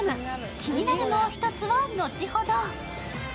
気になるもう一つは後ほど。